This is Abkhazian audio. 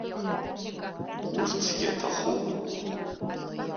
Урҭгьы аҭахуп.